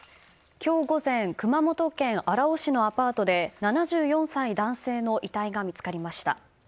今日午前、熊本県荒尾市のアパートで、７４歳男性の遺体が見つかりました。